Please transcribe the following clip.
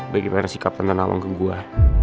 bagaimana sikap tenten awang ke gue